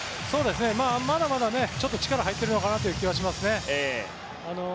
まだまだちょっと力が入っている気がしますね。